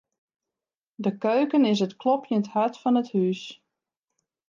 De keuken is it klopjend hart fan it hús.